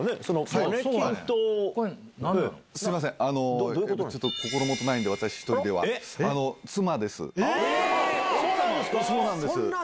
そうなんですか！